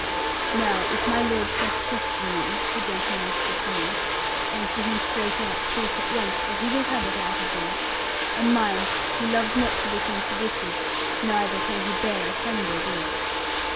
'Now, if my Lord cross question you,' the gentleman whispered to me, 'answer him straight out truth at once, for he will have it out of thee. And mind, he loves not to be contradicted, neither can he bear a hang dog look.